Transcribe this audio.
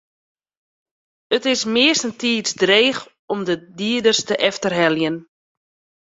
It is meastentiids dreech om de dieders te efterheljen.